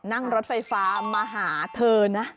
นั่งรถไฟฟ้ามาหาเธอนะ